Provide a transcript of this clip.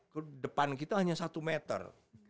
ke depan kita hanya satu meter